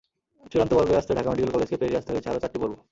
চূড়ান্ত পর্বে আসতে ঢাকা মেডিকেল কলেজকে পেরিয়ে আসতে হয়েছে আরও চারটি পর্ব।